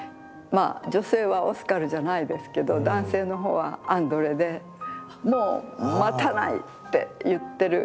女性はオスカルじゃないですけど男性のほうはアンドレで「もう待たない」って言ってる。